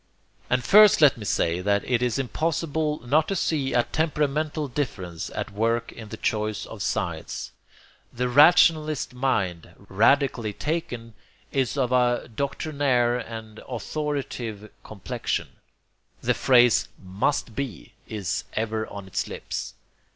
And first let me say that it is impossible not to see a temperamental difference at work in the choice of sides. The rationalist mind, radically taken, is of a doctrinaire and authoritative complexion: the phrase 'must be' is ever on its lips.